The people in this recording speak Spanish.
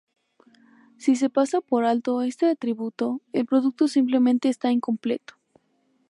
Si se pasa por alto este atributo, el producto simplemente está incompleto.